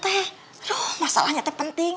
aduh masalahnya penting